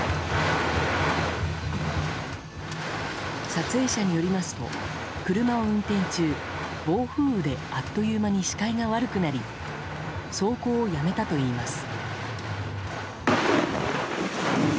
撮影者によりますと、車を運転中暴風雨であっという間に視界が悪くなり走行をやめたといいます。